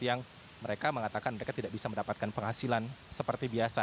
yang mereka mengatakan mereka tidak bisa mendapatkan penghasilan seperti biasa